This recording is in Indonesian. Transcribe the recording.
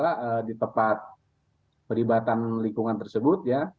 dan juga di tempat peribatan lingkungan tersebut ya